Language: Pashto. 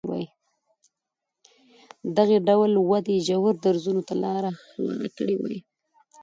دغې ډول ودې ژورو درزونو ته لار هواره کړې وای.